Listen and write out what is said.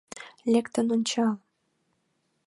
— Лектын ончал!